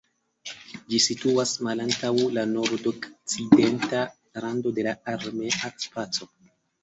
Ĝi situas malantaŭ la nordokcidenta rando de la armea spaco.